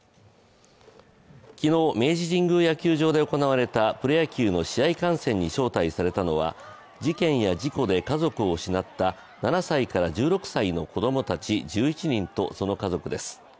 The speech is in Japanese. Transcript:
昨日、明治神宮野球場で行われたプロ野球の試合観戦に招待されたのは事件や事故で家族を失った７歳から１６歳の子供たち１１人とその家族です。